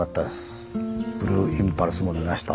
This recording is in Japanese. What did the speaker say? ブルーインパルスも見ました。